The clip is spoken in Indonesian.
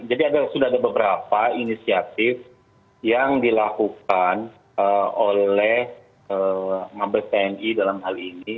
jadi ada sudah ada beberapa inisiatif yang dilakukan oleh mabes tni dalam hal ini